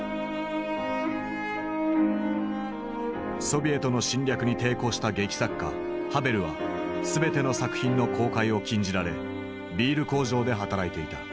ソビエトの侵略に抵抗した劇作家ハヴェルは全ての作品の公開を禁じられビール工場で働いていた。